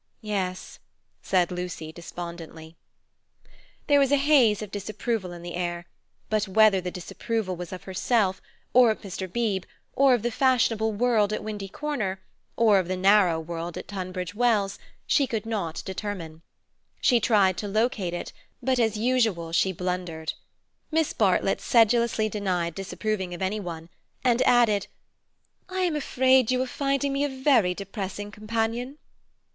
"Yes," said Lucy despondently. There was a haze of disapproval in the air, but whether the disapproval was of herself, or of Mr. Beebe, or of the fashionable world at Windy Corner, or of the narrow world at Tunbridge Wells, she could not determine. She tried to locate it, but as usual she blundered. Miss Bartlett sedulously denied disapproving of any one, and added "I am afraid you are finding me a very depressing companion."